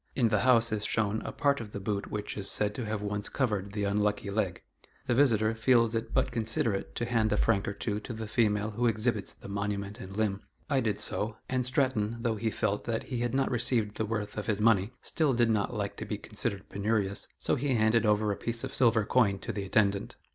In the house is shown a part of the boot which is said to have once covered the unlucky leg. The visitor feels it but considerate to hand a franc or two to the female who exhibits the monument and limb. I did so, and Stratton, though he felt that he had not received the worth of his money, still did not like to be considered penurious, so he handed over a piece of silver coin to the attendant.